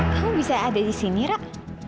kamu bisa ada disini rak